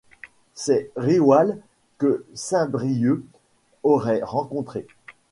C’est Riwall que saint Brieuc aurait rencontré.